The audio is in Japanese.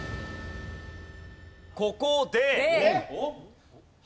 ここで。